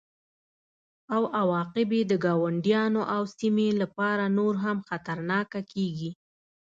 او عواقب یې د ګاونډیانو او سیمې لپاره نور هم خطرناکه کیږي